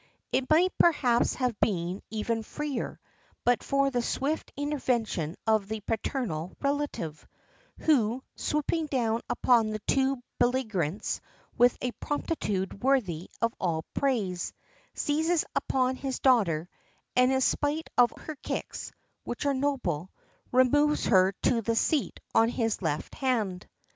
It might perhaps have been even freer, but for the swift intervention of the paternal relative, who, swooping down upon the two belligerents with a promptitude worthy of all praise, seizes upon his daughter, and in spite of her kicks, which are noble, removes her to the seat on his left hand.